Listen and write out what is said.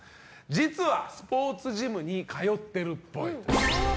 実はスポーツジムに通ってるっぽい。